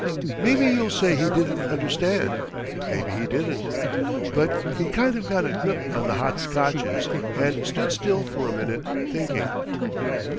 Maybe you'll say he didn't understand—maybe he didn't. But he kind of got a grip on the Hot Scotches, and stood still for a minute, thinking.